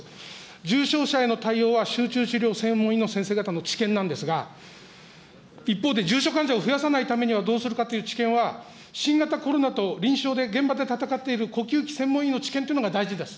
重症者への対応は集中治療専門医の先生方の知見なんですが、一方で重症患者を増やさないためにどうするかって知見は、新型コロナと臨床で現場で闘っている呼吸器専門医の知見というのが大事です。